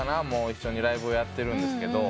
一緒にライブをやってるんですけど。